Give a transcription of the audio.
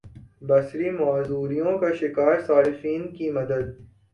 بصری معذوریوں کا شکار صارفین کی مدد